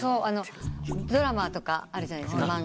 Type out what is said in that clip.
ドラマとかあるじゃないですか。